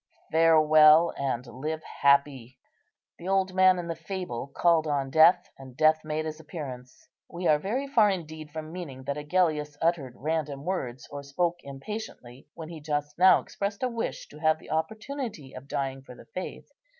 "Farewell, and live happy." The old man in the fable called on Death, and Death made his appearance. We are very far indeed from meaning that Agellius uttered random words, or spoke impatiently, when he just now expressed a wish to have the opportunity of dying for the Faith.